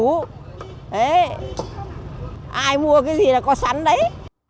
đấy ai mua cái gì là có sẵn đấy